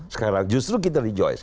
sekarang justru kita rejoice